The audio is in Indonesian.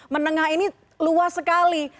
menengah ini luas sekali